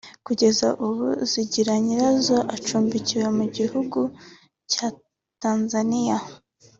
Kugeza ubu Zigiranyirazo acumbikiwe mu gihugu cya Tanzania